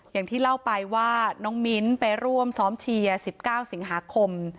อย่างที่เล่าไปว่าน้องมิ้นไปร่วมซ้อมเชียร์๑๙สิงหาคม